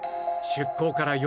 出港から